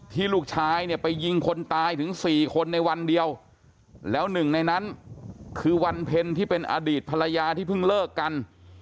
ลูกชายเนี่ยไปยิงคนตายถึง๔คนในวันเดียวแล้วหนึ่งในนั้นคือวันเพ็ญที่เป็นอดีตภรรยาที่เพิ่งเลิกกัน